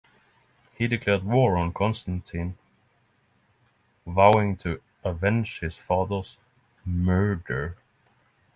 He declared war on Constantine, vowing to avenge his father's "murder".